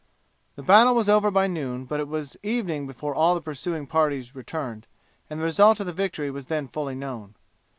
The battle was over by noon, but it was evening before all the pursuing parties returned, and the result of the victory was then fully known.